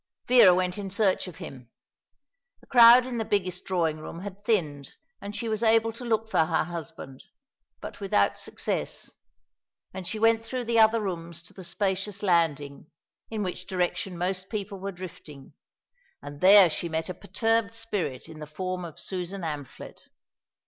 Vera went in search of him. The crowd in the biggest drawing room had thinned, and she was able to look for her husband but without success; and she went through the other rooms to the spacious landing, in which direction most people were drifting, and there she met a perturbed spirit in the form of Susan Amphlett.